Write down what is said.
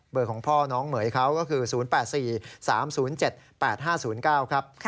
ของพ่อน้องเหม๋ยเขาก็คือ๐๘๔๓๐๗๘๕๐๙ครับ